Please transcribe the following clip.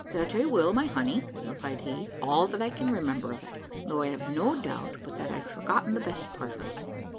"That I will, my honey," replied he, "all that I can remember of it, though I have no doubt but that I've forgotten the best part of it.